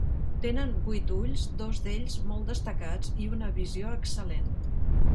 Tenen vuit ulls, dos d'ells molt destacats i una visió excel·lent.